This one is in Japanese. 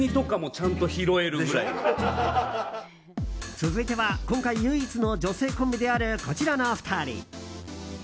続いては今回唯一の女性コンビである、こちらの２人。